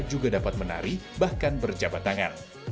juga dapat menari bahkan berjabat tangan